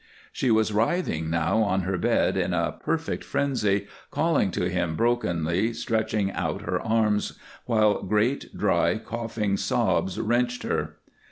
She was writhing now on her bed in a perfect frenzy, calling to him brokenly, stretching out her arms while great, dry, coughing sobs wrenched her.